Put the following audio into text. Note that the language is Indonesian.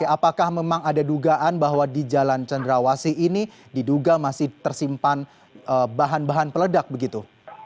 apakah memang ada dugaan bahwa di jalan cendrawasi ini diduga masih tersimpan bahan bahan peledak begitu